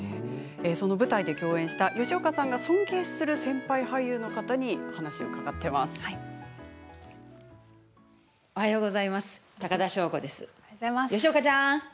舞台で共演した吉岡さんが尊敬する先輩俳優の方にお話を伺っています。